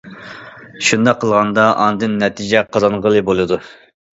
شۇنداق قىلغاندا ئاندىن نەتىجە قازانغىلى بولىدۇ.